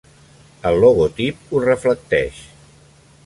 El logotip ho reflecteix.